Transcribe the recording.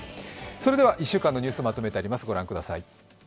それでは１週間のニュースまとめてあります。